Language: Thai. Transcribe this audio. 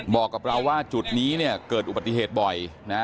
บอกกับเราว่าจุดนี้เนี่ยเกิดอุบัติเหตุบ่อยนะ